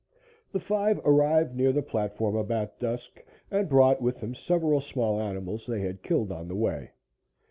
The five arrived near the platform about dusk, and brought with them several small animals they had killed on the way.